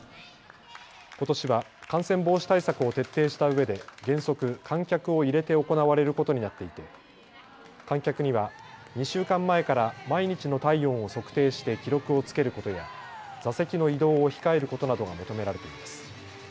ことしは感染防止対策を徹底したうえで原則、観客を入れて行われることになっていて観客には２週間前から毎日の体温を測定して記録をつけることや座席の移動を控えることなどが求められています。